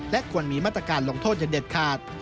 และควรมีมาตรการลงโทษอย่างเด็ดขาด